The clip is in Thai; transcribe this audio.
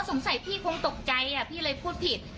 พบอ๋อสงสัยพี่คงตกใจอ่ะพี่เลยพูดผิด